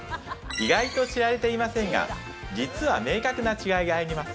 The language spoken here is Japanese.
意外と知られていませんが、実は明確な違いがあります。